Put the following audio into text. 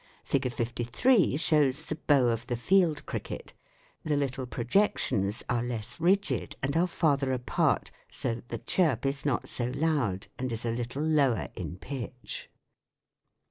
Fig. 53 shows the " bow " of the field cricket ; the little projections are less rigid and are farther apart so that the chirp is not so loud and is a little lower in pitch.